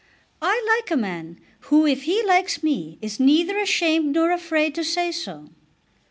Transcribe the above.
I like a man who if he likes me is neither ashamed nor afraid to say so."